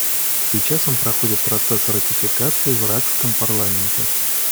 Сейчас он проходит процесс ратификации в иракском парламенте.